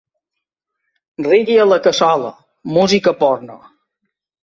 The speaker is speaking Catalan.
Reggae a la cassola’, ‘música porno’.